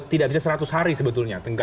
tidak bisa seratus hari sebetulnya